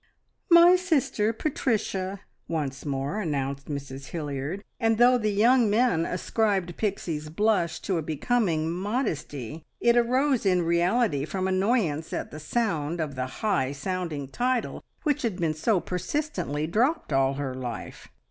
"My sister Patricia," once more announced Mrs Hilliard, and though the young men ascribed Pixie's blush to a becoming modesty, it arose in reality from annoyance at the sound of the high sounding title which had been so persistently dropped all her life.